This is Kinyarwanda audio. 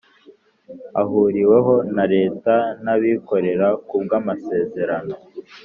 ahuriweho na Leta n abikorera ku bw amasezerano